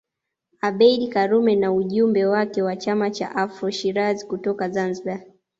Abeid Karume na ujumbe wake wa chama cha Afro Shirazi kutoka Zanzibar